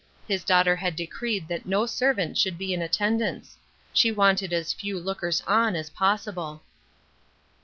His daughter had decreed that no servant should be in attendance. She wanted as few lookers on as possible.